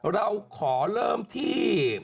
เราขอเริ่มที่